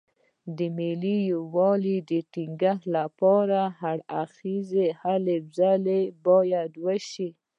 د ملي یووالي ټینګښت لپاره هر اړخیزې هلې ځلې باید وشي.